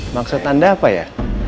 maksud anda apa ya